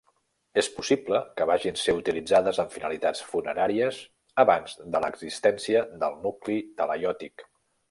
És possible que vagin ser utilitzades amb finalitats funeràries abans de l'existència del nucli talaiòtic.